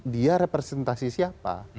dia representasi siapa